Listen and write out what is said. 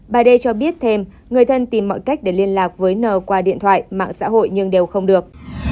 bà đê cho biết thêm người thân tìm mọi cách để liên lạc với n qua điện thoại mạng xã hội nhưng đều không được